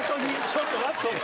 ちょっと待ってよ。